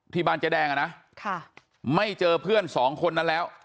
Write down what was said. ที่บ้านเจ๊แดงอ่ะนะไม่เจอเพื่อนสองคนนั้นแล้ว